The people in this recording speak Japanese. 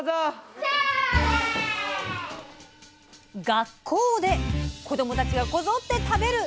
学校で子どもたちがこぞって食べる！